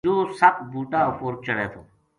یوہ سپ بوٹا اپر چڑھے تھو